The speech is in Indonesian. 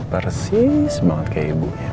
persis banget kayak ibunya